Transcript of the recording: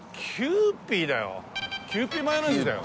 キユーピーマヨネーズだよ。